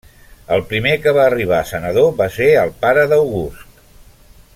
El primer que va arribar a senador va ser el pare d'August.